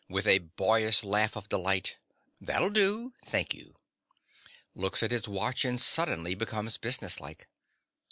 (with a boyish laugh of delight). That'll do. Thank you. (_Looks at his watch and suddenly becomes businesslike.